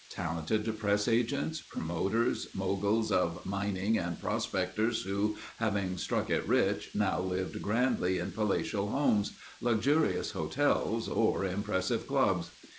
Talented press agents; promoters; moguls of mining and prospectors who, having struck it rich, now lived grandly in palatial homes, luxurious hotels or impressive clubs.